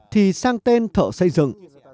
thì sang tên thợ xây dựng